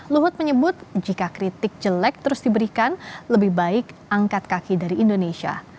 luhut menyebut jika kritik jelek terus diberikan lebih baik angkat kaki dari indonesia